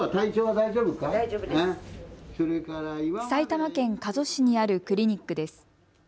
埼玉県加須市にあるクリニックです。